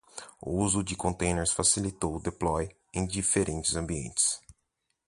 O uso de containers facilitou o deploy em diferentes ambientes.